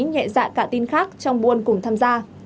nhẹ dạ cả tin khác trong buôn cùng tham gia